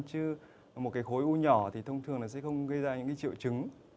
nhưng một khối u nhỏ thì thông thường sẽ không gây ra những triệu chứng